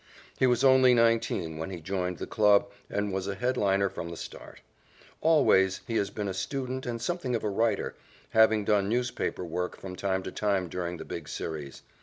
He was only nineteen when he joined the club and was a headliner from the start. Always he has been a student and something of a writer, having done newspaper work from time to time during the big series.